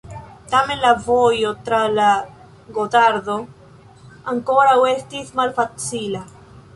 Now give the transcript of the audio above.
Tamen la vojo tra la Gotardo ankoraŭ estis malfacila.